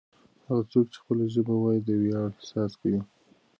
هغه څوک چې خپله ژبه وايي د ویاړ احساس کوي.